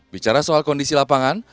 bicara soal kondisi lapangan